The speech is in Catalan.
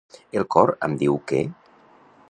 El cor em diu que.